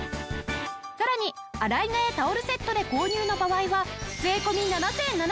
さらに洗い替えタオルセットで購入の場合は税込７７００円。